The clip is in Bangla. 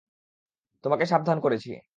তোমাকে সাবধান করেছি।